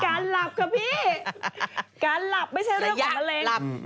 การหลับกะพี่การหลับไม่ใช่เรื่องมะเร็ง